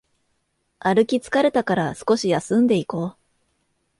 歩き疲れたから少し休んでいこう